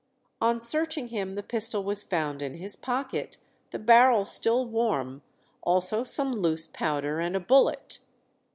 On searching him the pistol was found in his pocket, the barrel still warm; also some loose powder and a bullet.